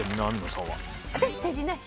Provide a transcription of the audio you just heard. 私、手品師。